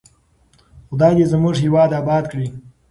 خدای دې زموږ هېواد اباد کړي.